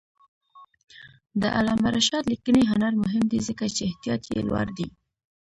د علامه رشاد لیکنی هنر مهم دی ځکه چې احتیاط یې لوړ دی.